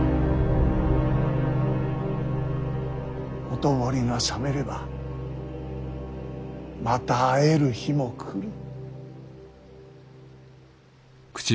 ほとぼりが冷めればまた会える日も来る。